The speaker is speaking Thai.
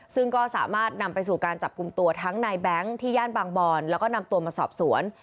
ซึ่งก็สามารถนำไปสู่การจับกลุ่มตัวทั้งนายแบงค์ที่ย่านบางบอนแล้วก็นำตัวมาสอบสวน